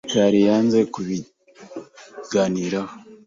Mikali yanze kubiganiraho.